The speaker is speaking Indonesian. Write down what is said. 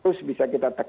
terus bisa kita penuhi